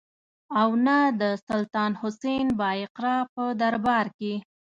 او نه د سلطان حسین بایقرا په دربار کې.